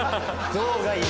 象がいる？